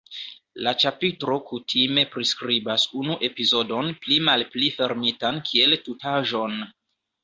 La ĉapitro kutime priskribas unu epizodon pli malpli fermitan kiel tutaĵon.